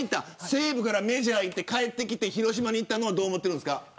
西武からメジャーに行って帰ってきて広島に行ったのはどう思っているんですか。